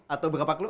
atau berapa kelab